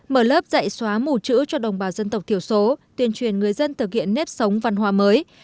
mở lớp dạy xóa mù chữ cho đồng bào dân tộc thiểu số tuyên truyền người dân thực hiện nếp sống văn hóa mới